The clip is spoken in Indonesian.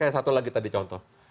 satu lagi tadi contoh